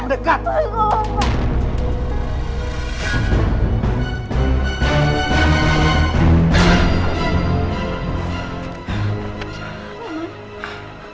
nah enggak sih